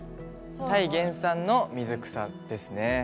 タイ原産の水草ですね。